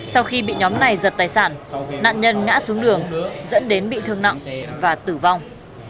sau khi bị nhóm này giật tài sản nạn nhân ngã xuống đường dẫn đến bị thương nặng và tử vong